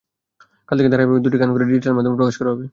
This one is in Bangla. কাল থেকে ধারাবাহিকভাবে দুটি করে গান ডিজিটাল মাধ্যমে প্রকাশ করা হবে।